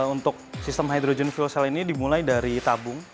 untuk sistem hydrogen fuel cell ini dimulai dari tabung